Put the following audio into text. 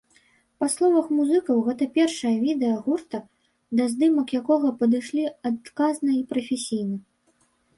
Па словах музыкаў гэта першае відэа гурта, да здымак якога падышлі адказна і прафесійна.